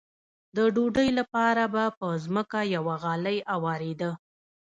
د ډوډۍ لپاره به په ځمکه یوه غالۍ اوارېده.